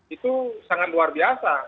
itu sangat luar biasa